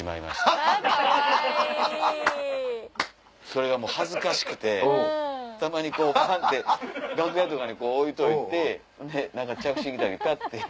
それがもう恥ずかしくてたまにこうパッて楽屋とかに置いといてんで着信来たらパッて。